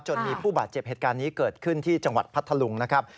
มีผู้บาดเจ็บเหตุการณ์นี้เกิดขึ้นที่จังหวัดพัทธลุงนะครับ